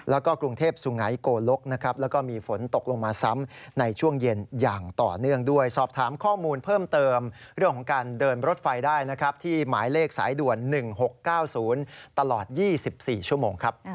แล้วก็กรุงเทพสุงไงโกลกนะครับแล้วก็มีฝนตกลงมาซ้ำ